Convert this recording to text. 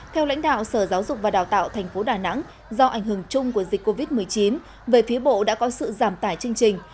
theo lãnh đạo sở giáo dục và đào tạo tp đà nẵng do ảnh hưởng chung của dịch covid một mươi chín về phía bộ đã có sự giảm tải chương trình